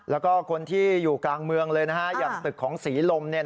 แล้วก็คนที่อยู่กลางเมืองเลยอย่างตึกของศรีลม